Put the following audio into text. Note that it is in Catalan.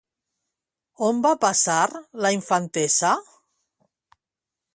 On va passar la infantesa?